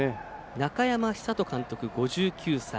中山寿人監督、５９歳。